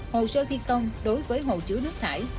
hồ sơ thi công đối với hồ chứa nước thải